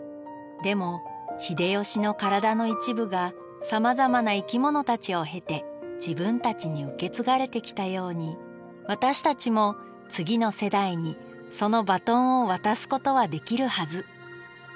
でも秀吉の体の一部がさまざまな生き物たちを経て自分たちに受け継がれてきたように私たちも次の世代にそのバトンを渡すことはできるはず。